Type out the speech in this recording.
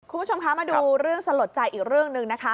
คุณผู้ชมคะมาดูเรื่องสลดใจอีกเรื่องหนึ่งนะคะ